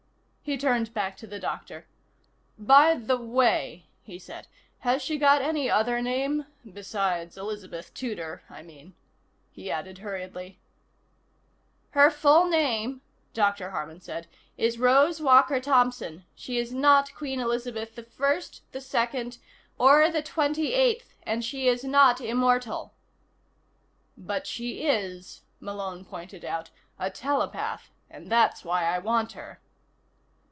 He turned back to the doctor. "By the way," he said. "Has she got any other name? Besides Elizabeth Tudor, I mean," he added hurriedly. "Her full name," Dr. Harman said, "is Rose Walker Thompson. She is not Queen Elizabeth I, II or XXVIII, and she is not immortal." "But she is," Malone pointed out, "a telepath. And that's why I want her."